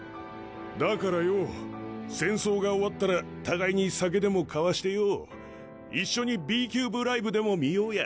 だからよぉ戦争が終わったら互いに酒でも交わしてよぉ一緒にＢ・キューブライブでも見ようや。